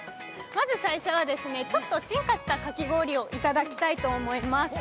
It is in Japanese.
まず最初は、ちょっと進化したかき氷をいただきたいと思います。